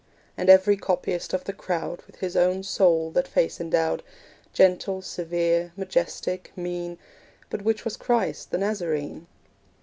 And every copyist of the crowd With his own soul that face endowed, Gentle, severe, majestic, mean; But which was Christ, the Nazarene?